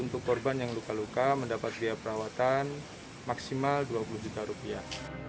untuk korban yang luka luka mendapat biaya perawatan maksimal dua puluh juta rupiah